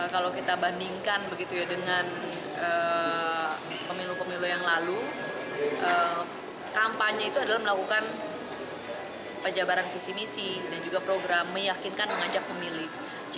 kalau kita bandingkan begitu ya dengan pemilu pemilu yang lalu kampanye itu adalah melakukan pejabaran visi misi dan juga program meyakinkan mengajak pemilih